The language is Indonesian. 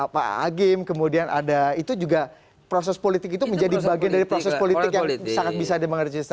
pak agim kemudian ada itu juga proses politik itu menjadi bagian dari proses politik yang sangat bisa dimengerti